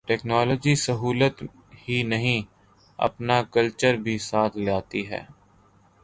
Technology سہولت ہی نہیں، اپنا کلچر بھی ساتھ لاتی ہے۔